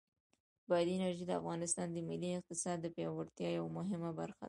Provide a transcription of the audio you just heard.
بادي انرژي د افغانستان د ملي اقتصاد د پیاوړتیا یوه مهمه برخه ده.